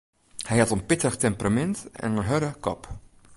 Hy hat in pittich temperamint en in hurde kop.